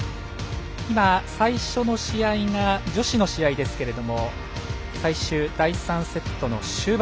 今、最初の試合が女子の試合ですけども最終第３セットの終盤。